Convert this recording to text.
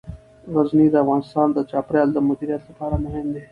غزني د افغانستان د چاپیریال د مدیریت لپاره مهم دي.